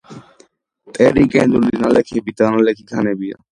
ტერიგენული ნალექები დანალექი ქანებია.